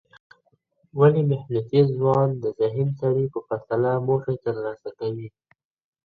ولي محنتي ځوان د ذهین سړي په پرتله موخي ترلاسه کوي؟